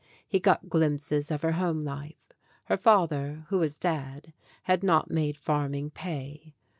He got glimpses of her home life. Her father, who was dead, had not made farming pay.